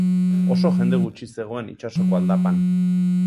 Oso jende gutxi zegoen itsasoko aldapan.